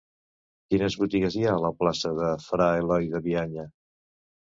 Quines botigues hi ha a la plaça de Fra Eloi de Bianya?